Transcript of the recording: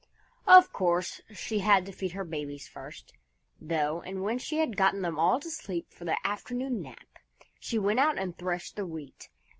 Of course, she had to feed her babies first, though, and when she had gotten them all to sleep for their afternoon nap, she went out and threshed the Wheat.